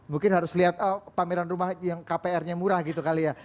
mungkin harus lihat pameran rumah yang kpr nya murah gitu kali ya